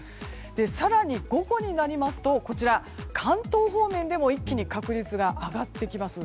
更に、午後になりますと関東方面でも一気に確率が上がってきます。